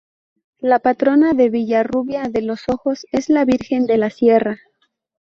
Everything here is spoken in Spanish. La patrona de Villarrubia de los Ojos es la Virgen de La Sierra.